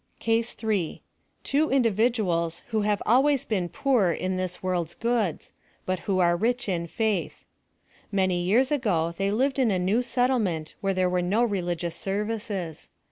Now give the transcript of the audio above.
CASE 3. — Two individuals who have always been poor in this world's goods : but who are rich in faith. Many years ago they lived in a new set tlement where there were no religious services.